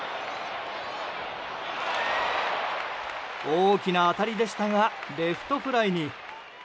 大きな当たりでしたがレフトフライに。